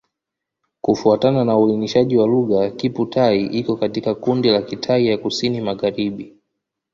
Kufuatana na uainishaji wa lugha, Kiphu-Thai iko katika kundi la Kitai ya Kusini-Magharibi.